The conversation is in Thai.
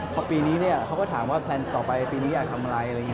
พอปีนี้เขาก็ถามว่าแปลนต่อไปปีนี้อยากทำอะไร